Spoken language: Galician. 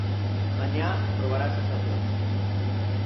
Mañá probará sensacións.